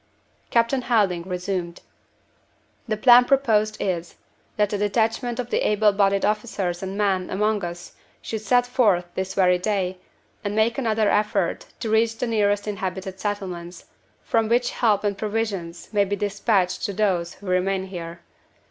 Captain Helding resumed: "The plan proposed is, that a detachment of the able bodied officers and men among us should set forth this very day, and make another effort to reach the nearest inhabited settlements, from which help and provisions may be dispatched to those who remain here.